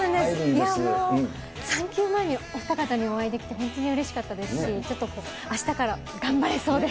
いや、もう産休前にお二方にお会いできて、本当にうれしかったですし、ちょっとあしたから頑張れそうです。